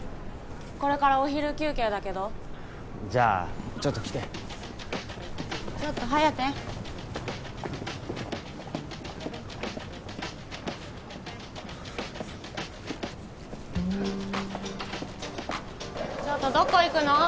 これからお昼休憩だけどじゃあちょっと来てちょっと颯ちょっとどこ行くの？